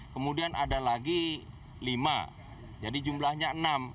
kemudian ada lagi lima jadi jumlahnya enam